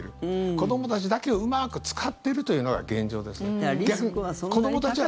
子どもたちだけうまく使っているというのが現状ですね。